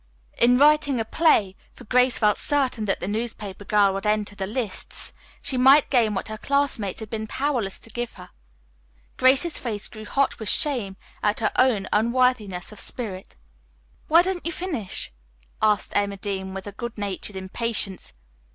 In writing the play, for Grace felt certain that the newspaper girl would enter the lists, she might gain what her classmates had been powerless to give her. Grace's face grew hot with shame at her own unworthiness of spirit. "Why don't you finish?" asked Emma Dean with good natured impatience.